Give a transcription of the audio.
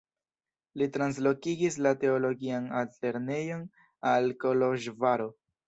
Li translokigis la teologian altlernejon al Koloĵvaro.